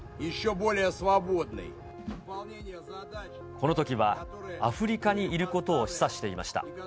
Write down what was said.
このときはアフリカにいることを示唆していました。